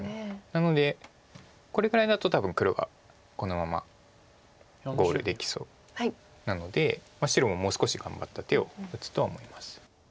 なのでこれぐらいだと多分黒がこのままゴールできそうなので白ももう少し頑張った手を打つとは思います。